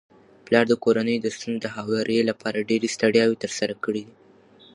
پلار د کورنيو د ستونزو د هواري لپاره ډيري ستړياوي تر سره کړي دي